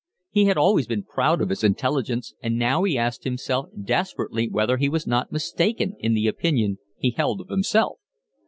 He had always been proud of his intelligence, and now he asked himself desperately whether he was not mistaken in the opinion he held of himself.